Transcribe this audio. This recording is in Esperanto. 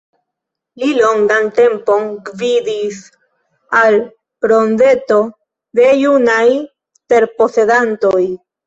Li longan tempon gvidis al Rondeto de Junaj Terposedantoj.